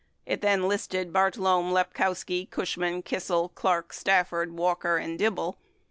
223 It listed Bartlome, Lepkowski, Cushman, Kissel, Clark, Stafford, Walker, and Dibble.